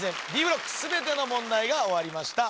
ブロック全ての問題が終わりました